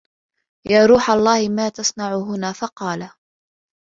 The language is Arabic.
يَا رُوحَ اللَّهِ مَا تَصْنَعُ هُنَا ؟ فَقَالَ